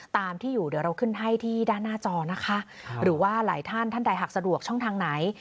ตามที่อยู่เดี๋ยวเราขึ้นให้ที่ด้านหน้าจอนะคะหรือว่าหลายท่านท่านใดหากสะดวกช่องทางไหน